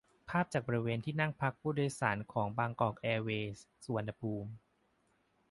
ภาพจากบริเวณที่นั่งพักผู้โดยสารของบางกอกแอร์เวยส์ สุวรรณภูมิ